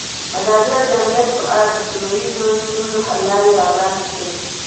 ازادي راډیو د امنیت په اړه د سیمه ییزو ستونزو حل لارې راوړاندې کړې.